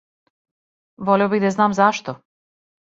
Волео бих да знам зашто?